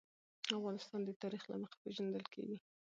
افغانستان د تاریخ له مخې پېژندل کېږي.